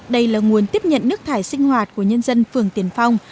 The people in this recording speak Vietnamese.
đây là nguồn tiếp nhận nước thải sinh hoạt của nhân dân phường tiền phong